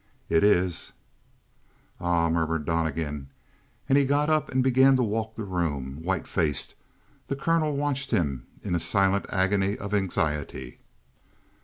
"It is." "Ah," murmured Donnegan. And he got up and began to walk the room, white faced; the colonel watched him in a silent agony of anxiety.